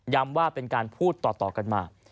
ว่าเป็นการพูดต่อกันมา